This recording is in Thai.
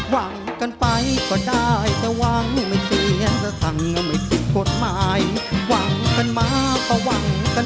วังกันไปก็ได้แต่วังไม่เชียรษัท่าไม่ดีก็ดมากมายว่าเธอมาเขาว่า